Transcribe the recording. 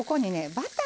バター！